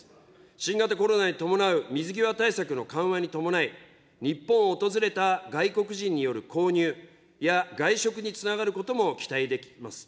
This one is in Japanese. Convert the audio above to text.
新型コロナに伴う水際対策の緩和に伴い、日本を訪れた外国人による購入や外食につながることも期待できます。